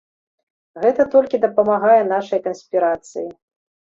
Гэта толькі дапамагае нашай канспірацыі.